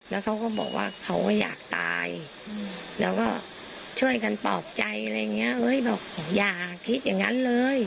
แล้วเขาก็บอกว่าเขาก็อยากตายแล้วก็ช่วยกันปลอบใจอะไรอย่างเงี้เอ้ยบอกอย่าคิดอย่างนั้นเลย